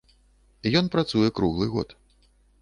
Ён працуе круглы год.